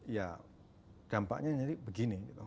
ya dampaknya jadi begini